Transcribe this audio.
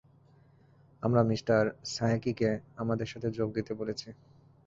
আমরা মিঃ সায়েকিকে আমাদের সাথে যোগ দিতে বলেছি।